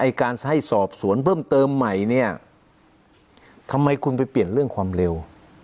การให้สอบสวนเพิ่มเติมใหม่เนี่ยทำไมคุณไปเปลี่ยนเรื่องความเร็ว